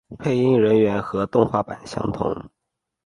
配音人员和动画版相同。